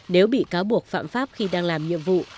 nếu bị cáo buộc phạm pháp khi đang làm nhiệm vụ